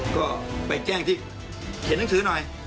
ก็ไปแจ้งที่เขียนหนังสือหน่อย